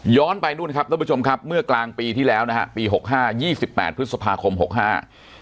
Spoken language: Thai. ไปนู่นครับท่านผู้ชมครับเมื่อกลางปีที่แล้วนะฮะปีหกห้ายี่สิบแปดพฤษภาคมหกห้า